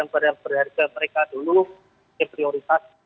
padahal berharga mereka dulu diprioritas